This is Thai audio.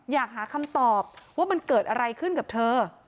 อยากหาคำตอบว่ามันเกิดอะไรขึ้นกับเธอ